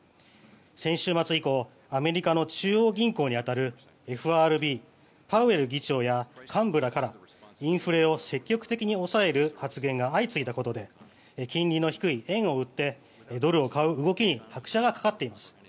先週末以降アメリカの中央銀行に当たるＦＲＢ、パウエル議長や幹部らからインフレを積極的に抑える発言が相次いだことで金利の低い円を売ってドルを買う動きに拍車がかかっています。